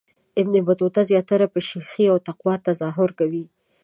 ابن بطوطه زیاتره په شیخی او تقوا تظاهر کوي.